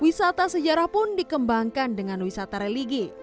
wisata sejarah pun dikembangkan dengan wisata religi